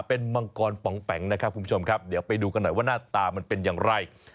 เป็นมังกรปองแป๋งนะครับคุณผู้ชมครับเดี๋ยวไปดูกันหน่อยว่าหน้าตามันเป็นอย่างไร